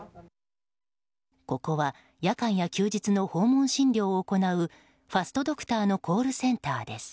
ここは夜間や休日の訪問診療を行うファストドクターのコールセンターです。